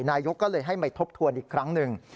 นายกก็เลยให้มาทบทวนอีกครั้งหนึ่ง